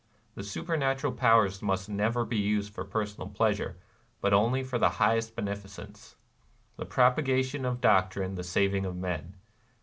The Supernatural Powers must never be used for personal pleasure, but only for the highest beneficence, — the propagation of doctrine, the saving of men.